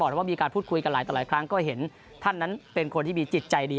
แต่ว่ามีการพูดคุยกันหลายต่อหลายครั้งก็เห็นท่านนั้นเป็นคนที่มีจิตใจดี